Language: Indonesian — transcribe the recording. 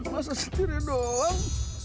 masa setirnya doang